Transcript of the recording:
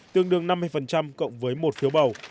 tương đương năm mươi cộng với một phiếu bầu